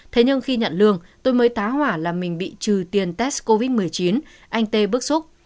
thế nhưng khi nhận lương tôi mới tá hỏa là mình bị trừ tiền test covid một mươi chín anh tê bức xúc